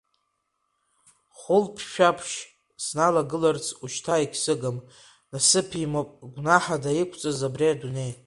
Хәылԥшәаԥшь сналагыларц ушьҭа егьсыгым, насыԥимоуп гәнаҳада иқәҵыз абри адунеи.